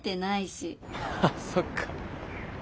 あそっか。